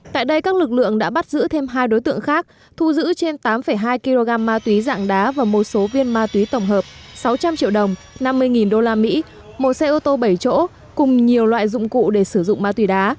tại đây các lực lượng đã bắt giữ thêm hai đối tượng khác thu giữ trên tám hai kg ma túy dạng đá và một số viên ma túy tổng hợp sáu trăm linh triệu đồng năm mươi usd một xe ô tô bảy chỗ cùng nhiều loại dụng cụ để sử dụng ma túy đá